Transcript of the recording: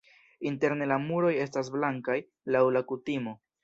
Interne la muroj estas blankaj laŭ la kutimo.